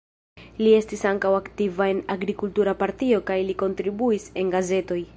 Li estis ankaŭ aktiva en agrikultura partio kaj li kontribuis en gazetoj.